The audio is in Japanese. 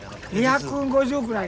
２５０くらいです。